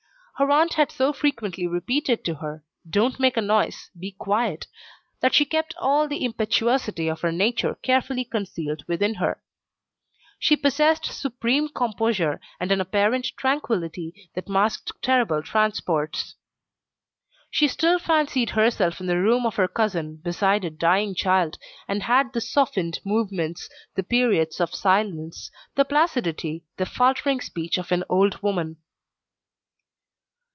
Her aunt had so frequently repeated to her: "Don't make a noise; be quiet," that she kept all the impetuosity of her nature carefully concealed within her. She possessed supreme composure, and an apparent tranquillity that masked terrible transports. She still fancied herself in the room of her cousin, beside a dying child, and had the softened movements, the periods of silence, the placidity, the faltering speech of an old woman.